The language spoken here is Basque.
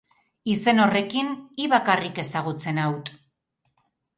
Izen horrekin, hi bakarrik ezagutzen haut.